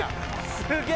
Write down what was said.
すげえ！